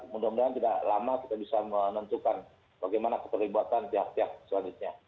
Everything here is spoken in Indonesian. mudah mudahan tidak lama kita bisa menentukan bagaimana keperlibatan pihak pihak selanjutnya